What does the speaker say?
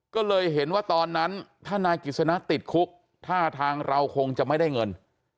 ก็เลยเห็นว่าตอนนั้นถ้านายกิจสนะติดคุกท่าทางเราคงจะไม่ได้เงิน